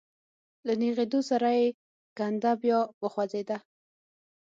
له نېغېدو سره يې کنده بيا وخوځېده.